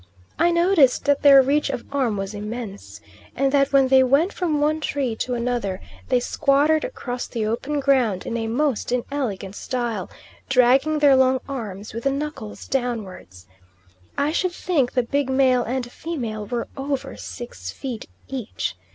I noticed that their reach of arm was immense, and that when they went from one tree to another, they squattered across the open ground in a most inelegant style, dragging their long arms with the knuckles downwards. I should think the big male and female were over six feet each.